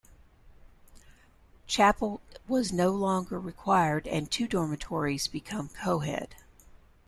Chapel was no longer required and two dormitories become coed.